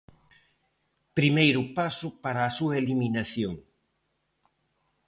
'Primeiro paso para a súa eliminación'.